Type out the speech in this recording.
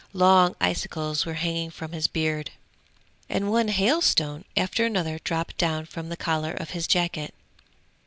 Long icicles were hanging from his beard, and one hailstone after another dropped down from the collar of his jacket.